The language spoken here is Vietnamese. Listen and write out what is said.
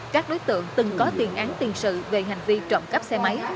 các đối tượng từng có tiền án tiền sự về hành vi trộm cắp xe máy